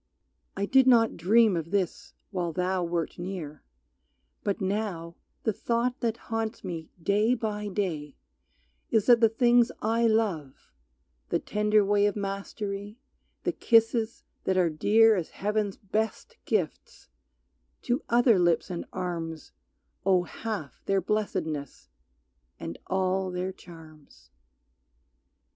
I did not dream of this while thou wert near, But now the thought that haunts me day by day Is that the things I love, the tender way Of mastery, the kisses that are dear As Heaven's best gifts, to other lips and arms Owe half their blessedness and all their charms.